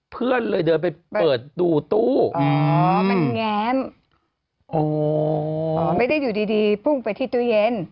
เพื่อนเลยเดินไปเปิดดูตู้